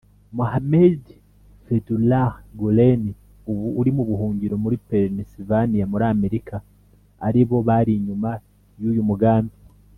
Muhammed Fethullah Gülen ubu uri mu buhungiro muri Pennsylvania muri Amerika aribo bari inyuma y’uyu mugambi